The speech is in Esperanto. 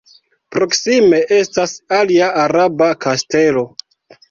Proksime estas alia araba kastelo.